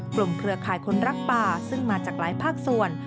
เครือข่ายคนรักป่าซึ่งมาจากหลายภาคส่วน